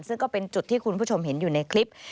ซึ่งก็เป็นจุดที่คุณผู้ชมเห็นอยู่ในคลิป